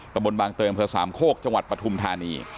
ตะบนบางเตยอำเภอสามโคกจังหวัดปฐุมธานี